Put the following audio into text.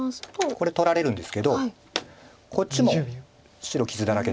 これ取られるんですけどこっちも白傷だらけです。